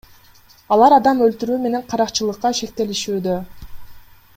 Алар адам өлтүрүү менен каракчылыкка шектелишүүдө.